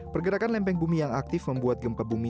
pergerakan lempeng bumi yang aktif membuat gempa bumi